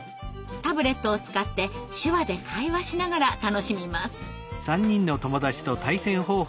タブレットを使って手話で会話しながら楽しみます。